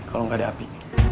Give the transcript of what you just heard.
kalau gak ada api